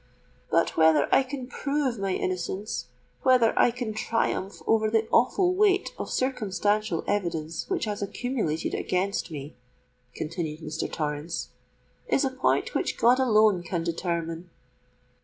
"But whether I can prove my innocence—whether I can triumph over the awful weight of circumstantial evidence which has accumulated against me," continued Mr. Torrens, "is a point which God alone can determine."